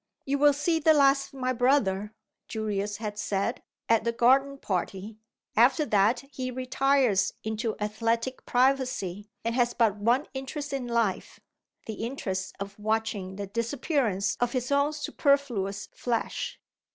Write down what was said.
"You will see the last of my brother," Julius had said, "at the garden party. After that he retires into athletic privacy, and has but one interest in life the interest of watching the disappearance of his own superfluous flesh."